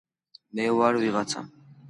მე ვარ ვიღაცა